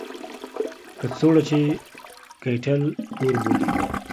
کڅوړه چې کیټل تور بولي.